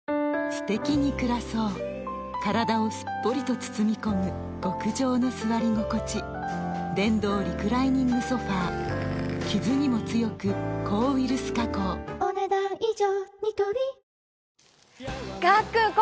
すてきに暮らそう体をすっぽりと包み込む極上の座り心地電動リクライニングソファ傷にも強く抗ウイルス加工お、ねだん以上。